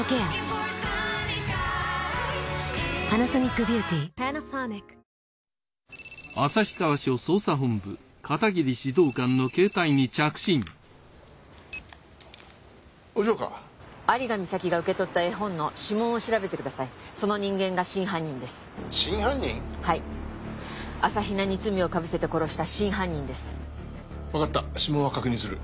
わかった指紋は確認する。